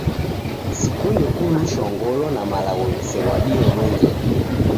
Sikunde kulushwa ngolo na malagho ghisew’adie mwengere.